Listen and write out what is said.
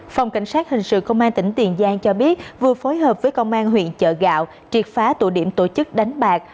phòng cảnh sát hình sự công an tỉnh tiền giang cho biết vừa phối hợp với công an huyện chợ gạo triệt phá tụ điểm tổ chức đánh bạc